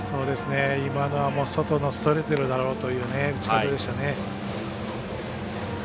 今のは外にそれているだろうという打ち方でしたね。